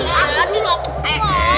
aladin mau kelapa